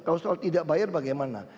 kalau soal tidak bayar bagaimana